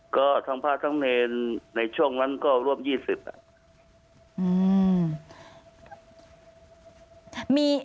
ก็ทั้งพระทั้งเนรในช่วงนั้นก็รวบ๒๐อ่ะ